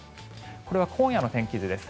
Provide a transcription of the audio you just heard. これは今夜の天気図です。